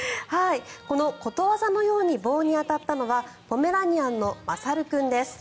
このことわざのように棒に当たったのはポメラニアンのまさる君です。